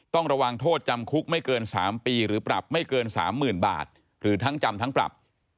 ต้องระวังโทษจำคุกไม่เกิน๓ปีหรือปรับไม่เกิน๓๐๐๐บาทหรือทั้งจำทั้งปรับ